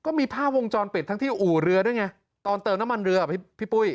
ก็มีภาพวงจรปิดทั้งที่อู่เรือด้วยไงตอนเติมน้ำมันเรือพี่ปุ้ย